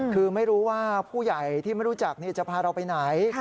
คือไม่รู้ว่าผู้ใหญ่ที่ไม่รู้จักจะพาเราไปไหน